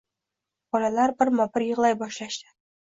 Bolalar birma bir yig’lay boshlashdi.